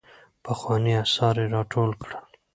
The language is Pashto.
پخواني اثار يې راټول کړل.